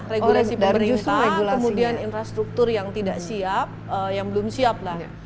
regulasi pemerintah kemudian infrastruktur yang tidak siap yang belum siap lah